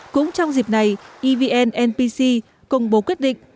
cũng trong dịp này evn npc công bố quyết định